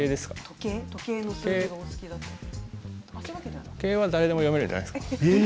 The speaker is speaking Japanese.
時計時計はだれでも読めるじゃないですか。